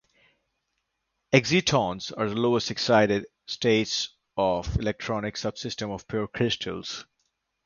Excitons are lowest excited states of the electronic subsystem of pure crystals.